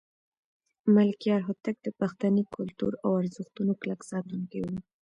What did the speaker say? ملکیار هوتک د پښتني کلتور او ارزښتونو کلک ساتونکی و.